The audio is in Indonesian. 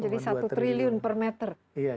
satu triliun per meter